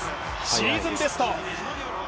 シーズンベスト。